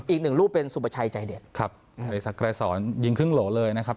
อีกหนึ่งลูกเป็นสุประชัยใจเด็ดครับอริสักไรสอนยิงครึ่งโหลเลยนะครับ